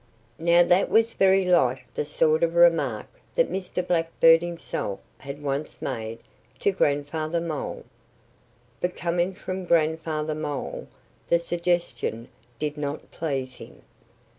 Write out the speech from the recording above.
Now that was very like the sort of remark that Mr. Blackbird himself had once made to Grandfather Mole. But coming from Grandfather Mole the suggestion did not please him.